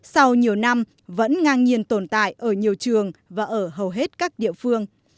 sau nhiều năm vẫn ngang nhiên tồn tại ở nhiều trường và ở hầu hết các địa phương